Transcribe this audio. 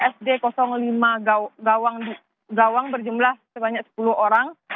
sd lima gawang berjumlah sebanyak sepuluh orang